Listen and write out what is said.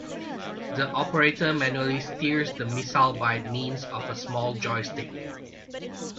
The operator manually steers the missile by means of a small joystick.